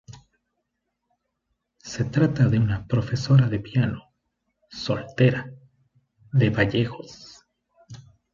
Se trata de una profesora de piano, soltera, de Vallejos.